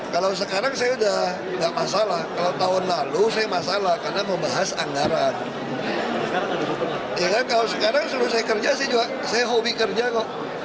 kalau sekarang seluruh saya kerja saya hobi kerja kok